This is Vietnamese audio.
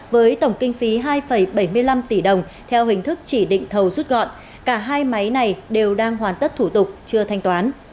với tổng kinh phí hai bảy mươi năm tỷ đồng theo hình thức chỉ định thầu rút gọn cả hai máy này đều đang hoàn tất thủ tục chưa thanh toán